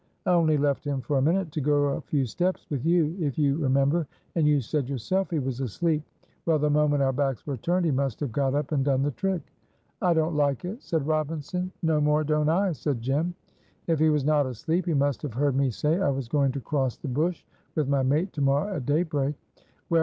"I only left him for a minute to go a few steps with you if you remember, and you said yourself he was asleep. Well, the moment our backs were turned he must have got up and done the trick." "I don't, like it," said Robinson. "No more don't I," said Jem. "If he was not asleep, he must have heard me say I was going to cross the bush with my mate to morrow at daybreak." "Well!